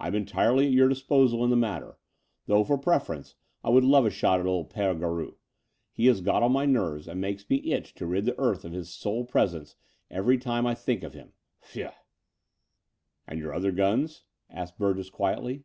I'm entirely at your dis posal in the matter, though for preference I would love a shot at old P6re Garou. He has got on my nerves and makes me itch to rid the earth of his soul presence every time I think of him — ^phew!" And your other guns?" asked Biu'gess quietly.